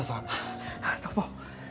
どうも。